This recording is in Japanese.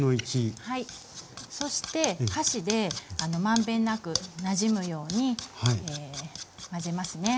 そして箸で満遍なくなじむように混ぜますね。